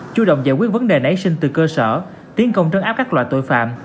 chú động giải quyết vấn đề nấy sinh từ cơ sở tiến công trấn áp các loại tội phạm